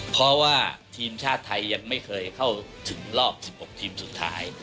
เพราะว่าทีมชาติไทยยังไม่เคยเข้าถึงรอบ๑๖ทีมสุดท้าย